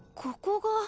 ここが。